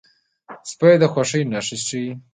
سپي د خوښۍ نښې ښيي.